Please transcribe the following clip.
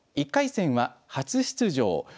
１回戦は初出場